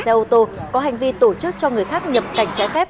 xe ô tô có hành vi tổ chức cho người khác nhập cảnh trái phép